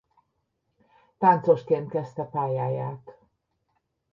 Táncosként kezdte pályáját.